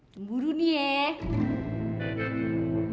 tunggu dulu nih ya